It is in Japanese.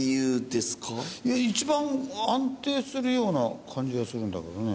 いや一番安定するような感じがするんだけどね。